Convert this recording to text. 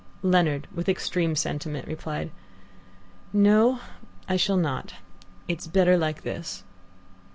Leonard, with extreme sentiment, replied: "No, I shall not. It's better like this."